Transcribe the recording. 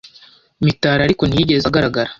Mitari ariko ntiyigeze agaragara.